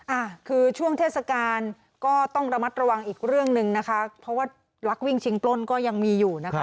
อ่ะคือช่วงเทศกาลก็ต้องระมัดระวังอีกเรื่องหนึ่งนะคะเพราะว่ารักวิ่งชิงปล้นก็ยังมีอยู่นะคะ